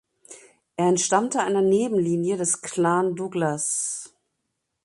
Er entstammte einer Nebenlinie des Clan Douglas.